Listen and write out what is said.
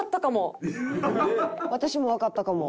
私もわかったかも。